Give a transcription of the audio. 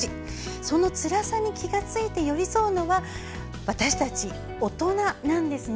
そのつらさに気が付いて寄り添うのは私たち大人なんですね。